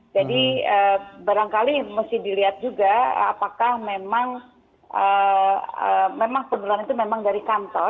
jadi barangkali mesti dilihat juga apakah memang memang pengaturan itu memang dari kantor atau memang dari luar dari masyarakat